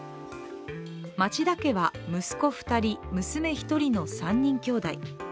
町田家は息子２人、娘１人の３人きょうだい。